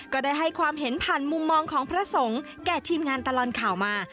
ก็ได้ให้ความเห็นผ่านมุมมองของพระสงฆ์แก่ทีมงานตลอดข่าวมา